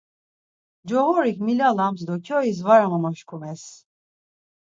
Coğorik milalams do kyois var amamoşkumes.